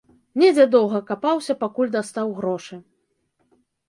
Недзе доўга капаўся, пакуль дастаў грошы.